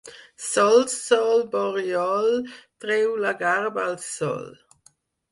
Sol, sol, Borriol, treu la garba al sol.